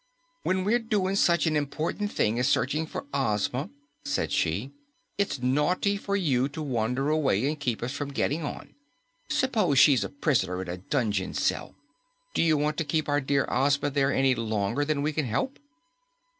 "When we're doing such an important thing as searching for Ozma," said she, "it's naughty for you to wander away and keep us from getting on. S'pose she's a pris'ner in a dungeon cell! Do you want to keep our dear Ozma there any longer than we can help?"